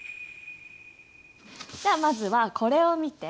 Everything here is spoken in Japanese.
じゃまずはこれを見て。